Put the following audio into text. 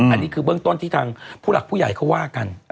อันนี้คือเบื้องต้นที่ทางผู้หลักผู้ใหญ่เขาว่ากัน